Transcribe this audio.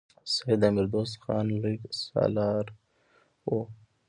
سید د امیر دوست محمد خان لوی سلاکار وو.